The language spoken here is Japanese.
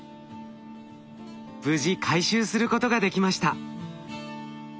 無事回収することができました。